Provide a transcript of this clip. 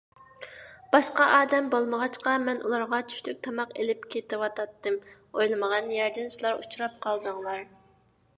باشقا ئادەم بولمىغاچقا، مەن ئۇلارغا چۈشلۈك تاماق ئېلىپ كېتىۋاتاتتىم. ئويلىمىغان يەردىن سىلەر ئۇچراپ قالدىڭلار.